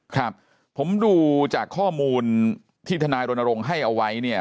ครับผมดูจากข้อมูลที่ทนายรณรงค์ให้เอาไว้เนี่ย